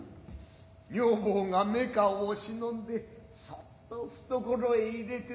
女房が目顔を忍んでそっと懐ろへ入れて出ました。